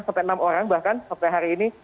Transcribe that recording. sedangkan sampai hari ini